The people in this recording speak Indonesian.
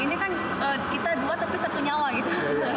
ini kan kita dua tapi satu nyawa gitu